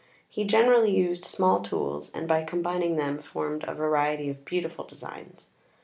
He generally used small tools, and by combining them formed a variety of beautiful designs.